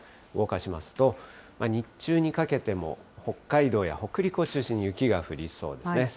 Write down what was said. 動かしますと、日中にかけても北海道や北陸を中心に雪が降りそうですね。